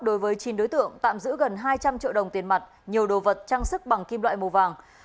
đối với chín đối tượng tạm giữ gần hai trăm linh triệu đồng tiền mặt nhiều đồ vật trang sức bằng kim loại màu vàng